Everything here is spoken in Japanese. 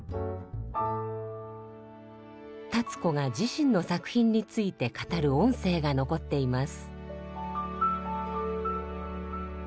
立子が自身の作品について語る音声が残っています。